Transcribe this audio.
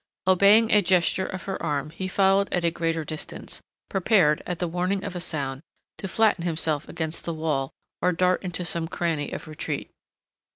Obeying a gesture of her arm, he followed at a greater distance, prepared, at the warning of a sound, to flatten himself against the wall or dart into some cranny of retreat.